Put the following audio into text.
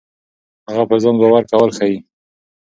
هغه پر ځان باور کول ښيي.